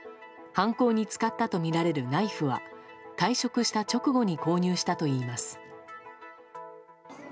犯行に使ったとみられるナイフは退職した直後に購入したといいます。